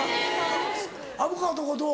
虻川のとこどう？